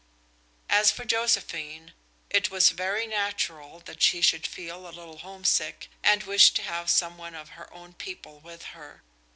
As for Josephine, it was very natural that she should feel a little homesick, and wish to have some one of her own people with her.